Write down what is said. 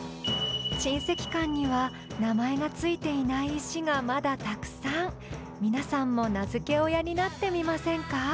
珍石館には名前が付いていない石がまだたくさん皆さんも名付け親になってみませんか？